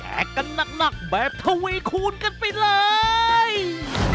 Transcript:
แอกกันนักแบบทะเวย์คูณกันไปเลย